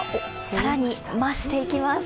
更に増していきます。